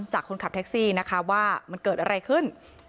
จากคนขับแท็กซี่นะคะว่ามันเกิดอะไรขึ้น